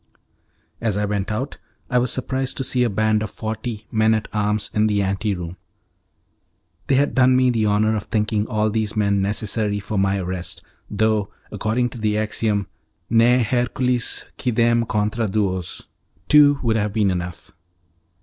As I went out I was surprised to see a band of forty men at arms in the ante room. They had done me the honour of thinking all these men necessary for my arrest, though, according to the axiom 'Ne Hercules quidem contra duos', two would have been enough.